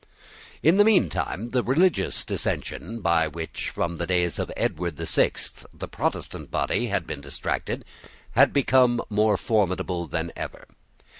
In the meantime the religious dissensions, by which, from the days of Edward the Sixth, the Protestant body had been distracted, had become more formidable than ever.